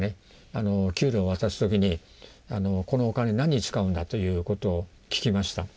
給料を渡す時に「このお金何に使うんだ？」ということを聞きました。